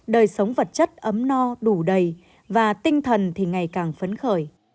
đời sống vật chất ấm no đủ đầy và tinh thần thì ngày càng phấn khởi